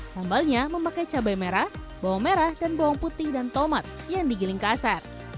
sambalnya memakai cabai merah bawang merah dan bawang putih dan tomat yang digiling kasar